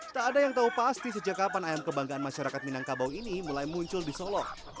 tak ada yang tahu pasti sejak kapan ayam kebanggaan masyarakat minangkabau ini mulai muncul di solo